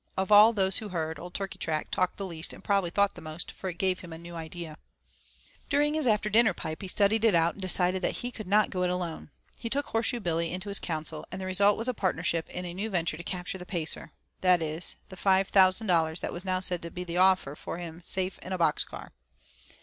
Of all those who heard, old Turkeytrack talked the least and probably thought the most, for it gave him a new idea. During his after dinner pipe he studied it out and deciding that he could not go it alone, he took Horseshoe Billy into his council and the result was a partnership in a new venture to capture the Pacer; that is, the $5,000 that was now said to be the offer for him safe in a box car.